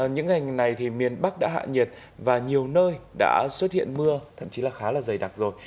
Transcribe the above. những ngày này thì miền bắc đã hạ nhiệt và nhiều nơi đã xuất hiện mưa thậm chí là khá là dày đặc rồi